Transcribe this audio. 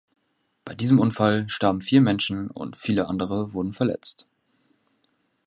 Bei diesem Unfall starben vier Menschen und viele andere wurden verletzt.